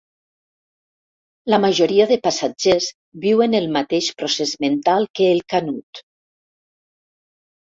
La majoria de passatgers viuen el mateix procés mental que el Canut.